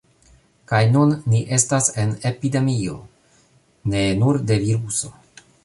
Kaj nun ni estas en epidemio ne nur de viruso